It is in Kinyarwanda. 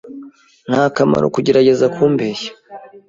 Nta kamaro kugerageza kumbeshya.